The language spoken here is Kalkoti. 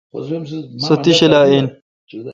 سو تی شلا این۔